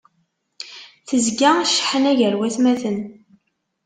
Tezga cceḥna gar watmaten.